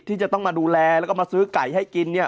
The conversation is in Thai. ที่จะต้องมาดูแลแล้วก็มาซื้อไก่ให้กินเนี่ย